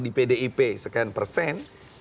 di pdip sekian persen